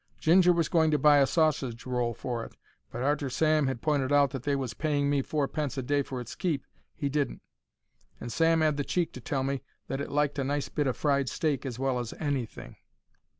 Ginger was going to buy a sausage roll for it, but, arter Sam 'ad pointed out that they was paying me fourpence a day for its keep, he didn't. And Sam 'ad the cheek to tell me that it liked a nice bit o' fried steak as well as anything.